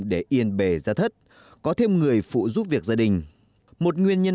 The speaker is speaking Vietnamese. để yên bề ra thất có thêm người phụ giúp việc gia đình